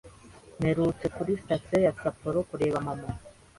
Mperutse kuri Sitasiyo ya Sapporo kureba mama.